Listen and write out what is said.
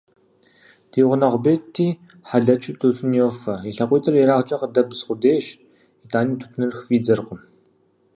Си гъунэгъу Бетти хьэлэчыу тутун йофэ, и лъакъуитӏыр ерагъкӏэ къыдэбз къудейщ, итӏани тутыныр хыфӏидзэркъым.